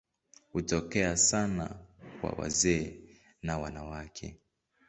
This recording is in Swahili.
Hutokea sana kwa wazee na wanawake.